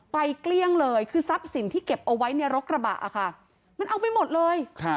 เกลี้ยงเลยคือทรัพย์สินที่เก็บเอาไว้ในรถกระบะค่ะมันเอาไปหมดเลย